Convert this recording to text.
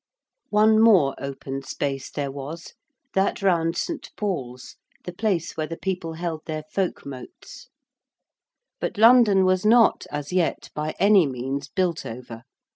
One more open space there was, that round St. Paul's, the place where the people held their folkmotes. But London was not, as yet, by any means built over.